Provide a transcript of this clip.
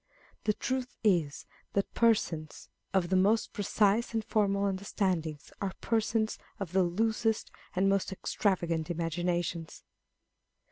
The truth is, that persons of the most precise and formal understandings are persons of the loosest and most extravagant imaginations.